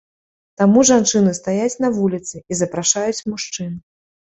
Таму жанчыны стаяць на вуліцы і запрашаюць мужчын.